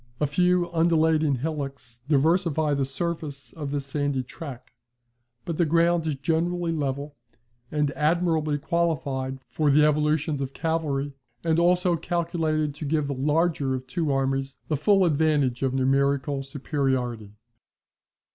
A few undulating hillocks diversify the surface of this sandy track; but the ground is generally level, and admirably qualified for the evolutions of cavalry, and also calculated to give the larger of two armies the full advantage of numerical superiority.